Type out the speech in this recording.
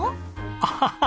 アハハハ！